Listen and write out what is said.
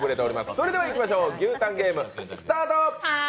それではいきましょう、牛タンゲーム、スタート。